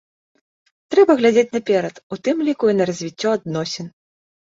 Трэба глядзець наперад, у тым ліку і на развіццё адносін.